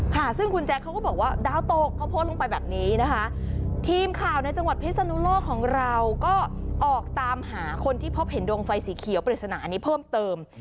ค่ะซึ่งคุณแจ๊คเขาก็บอกว่าดาวตกเขาโพสต์ลงไปแบบนี้นะคะทีมข่าวในจังหวัดพิศนุโลกของเราก็ออกตามหาคนที่พบเห็นดวงไฟสีเขียวปริศนานี้เพิ่มเติม